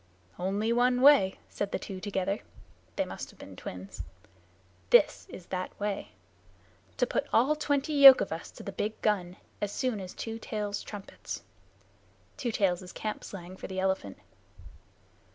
"Only one way," said the two together. (They must have been twins.) "This is that way. To put all twenty yoke of us to the big gun as soon as Two Tails trumpets." ("Two Tails" is camp slang for the elephant.)